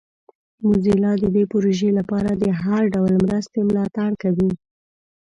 موزیلا د دې پروژې لپاره د هر ډول مرستې ملاتړ کوي.